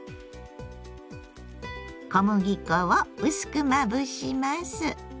小麦粉を薄くまぶします。